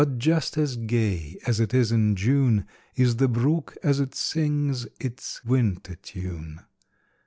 But just as gay as it is in June Is the brook as it sings its winter tune.